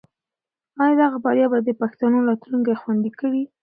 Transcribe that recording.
آیا دغه بریا به د پښتنو راتلونکی خوندي کړي؟